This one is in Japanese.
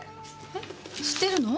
えっ知ってるの？